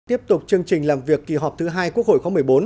tiếp tục chương trình làm việc kỳ họp thứ hai quốc hội khóa một mươi bốn